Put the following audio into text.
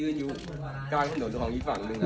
ยืนอยู่กล้างสนุนของที่ฝั่งนึง